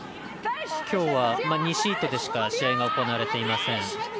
きょうは２シートでしか試合が行われていません。